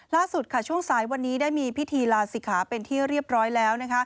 ช่วงสายวันนี้ได้มีพิธีลาศิกขาเป็นที่เรียบร้อยแล้ว